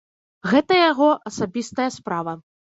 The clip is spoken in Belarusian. Гэта яго асабістая справа.